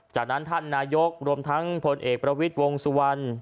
จากนั้นท่านนายกรวมทั้งพลเอกประวิทย์วงสุวรรณ